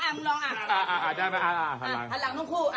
มึงลองหา